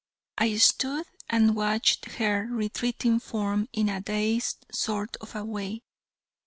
I stood and watched her retreating form in a dazed sort of a way.